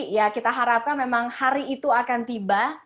ya kita harapkan memang hari itu akan tiba